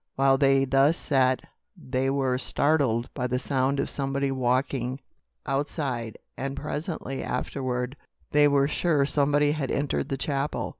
While they thus sat they were startled by the sound of somebody walking outside, and presently afterward they were sure somebody had entered the chapel.